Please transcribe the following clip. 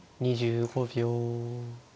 ２５秒。